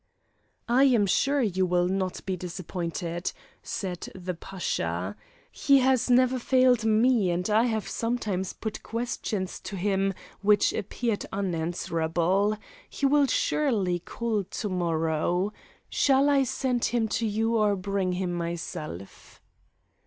"I am sure you will not be disappointed!" said the Pasha. "He has never failed me, and I have sometimes put questions to him which appeared unanswerable. He will surely call to morrow. Shall I send him to you or bring him myself?"